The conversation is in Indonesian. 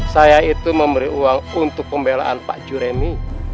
saya itu memberi uang untuk pembelian pak juremi